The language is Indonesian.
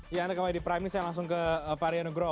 ya anda kembali di prime saya langsung ke pak rian nugro